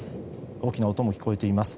大きな音も聞こえています。